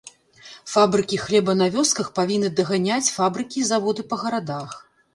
Фабрыкі хлеба на вёсках павінны даганяць фабрыкі і заводы па гарадах.